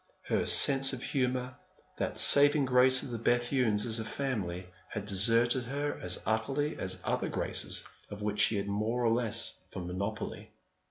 Her sense of humour, that saving grace of the Bethunes as a family, had deserted her as utterly as other graces of which she had more or less of a monopoly.